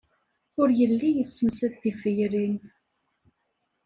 Ur yelli yessemsad tiferyin.